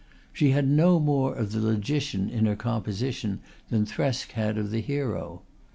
She had no more of the logician in her composition than Thresk had of the hero.